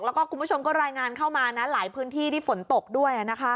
แล้วก็คุณผู้ชมก็รายงานเข้ามานะหลายพื้นที่ที่ฝนตกด้วย